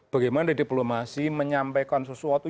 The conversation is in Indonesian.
bagaimana diplomasi menyampaikan sesuatu